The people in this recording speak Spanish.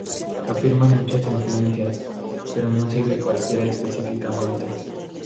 Afirma muchas influencias, pero no sigue cualquiera específicamente.